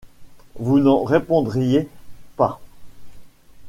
Vous n’en répondriez pas!...